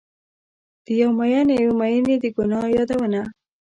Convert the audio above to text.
د یو میین یوې میینې د ګناه یادونه